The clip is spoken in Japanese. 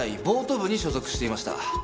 ボート部に所属していました。